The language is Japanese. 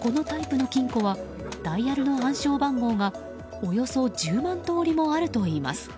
このタイプの金庫はダイヤルの暗証番号がおよそ１０万通りもあるといいます。